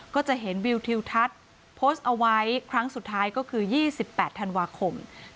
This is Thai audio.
ก็จะเห็นวิวทิวทัศน์โพสต์เอาไว้ครั้งสุดท้ายก็คือ๒๘ธันวาคม